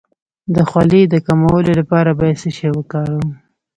د خولې د کمولو لپاره باید څه شی وکاروم؟